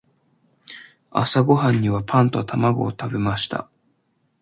朝ごはんにはパンと卵を食べました。